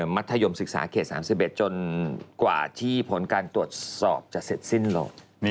มัธยมศึกษาเขต๓๑จนกว่าที่ผลการตรวจสอบจะเสร็จสิ้นลง